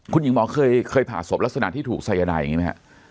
คุณหญิงหมอเคยผ่าศพลักษณะที่ถูกสายนายอย่างนี้ไหมครับ